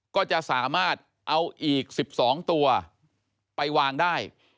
ก็จะสามารถเอาอีก๑๒ตัวไปวางได้